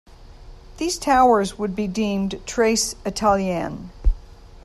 These towers would be deemed trace Italienne.